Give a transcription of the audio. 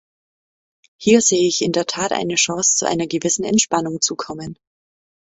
Hier sehe ich in der Tat eine Chance, zu einer gewissen Entspannung zu kommen.